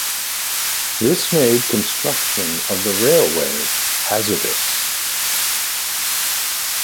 This made construction of the railway hazardous.